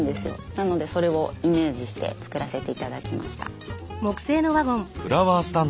なのでそれをイメージして作らせて頂きました。